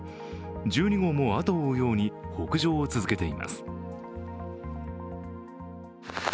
１２号も後を追うように北上を続けています。